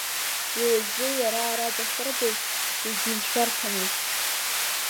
Уи азы иара ара дахьырбоз иагьизшәарҭамызт.